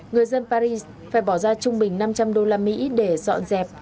người dân paris phải bỏ ra trung bình năm trăm linh đô la mỹ để dọn dẹp